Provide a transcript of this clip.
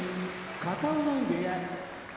片男波部屋